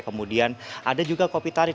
kemudian ada juga kopi tarif